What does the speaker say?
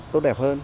tốt đẹp hơn